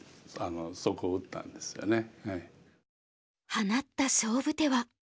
放った勝負手は。